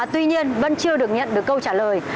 tuy nhiên vẫn chưa được nhận được câu trả lời